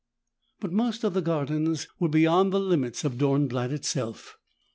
But most of the gardens were beyond the limits of Dornblatt itself.